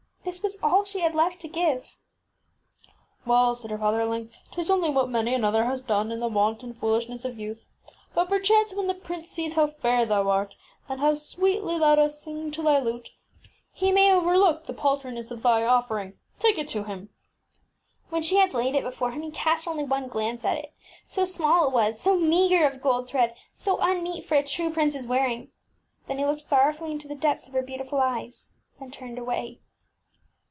This was all she had left to give. ŌĆśWell, ŌĆÖ said her fa ther, at length, ŌĆś ŌĆÖtis only what many another has done in the wanton fool ishness of youth. But perchance when the prince sees how fair thou art, and how sweetly thou )┬Ż W^ttt QflJtabrtsf dost sing to thy lute, he may overlook the paltri ness of thy offering. Take it to him. ŌĆÖ When she had laid it before him he cast only one glance at it, so small it was, so meagre of gold thread, so unmeet for a true princeŌĆÖs wearing. Then he looked sorrow fully into the depths of her beautiful eyes and turned away.